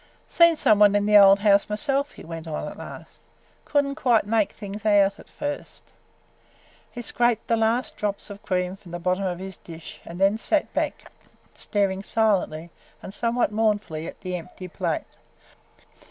"Seen some one in the old house myself," he went on at last. "Could n't quite make things out – at first!" He scraped the last drops of cream from the bottom of his dish and then sat back, staring silently and somewhat mournfully at the empty plate.